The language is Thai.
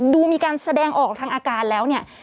ดูมีการแสดงออกทางอาการแล้วเนี่ย